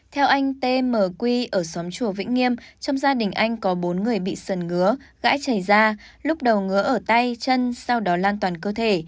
theo anh t m quy ở xóm chùa vĩnh nghiêm trong gia đình anh có bốn người bị sần ngứa gãi chảy da lúc đầu ngứa ở tay chân sau đó lan toàn cơ thể